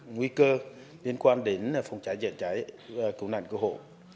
nguy cơ liên quan đến phòng cháy chữa cháy và cứu nạn cứu hộ